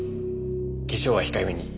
化粧は控えめに。